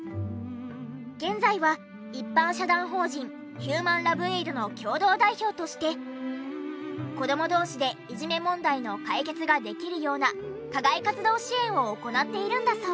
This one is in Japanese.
現在は一般社団法人ヒューマンラブエイドの共同代表として子供同士でいじめ問題の解決ができるような課外活動支援を行っているんだそう。